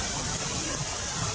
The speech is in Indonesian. kota yang terkenal dengan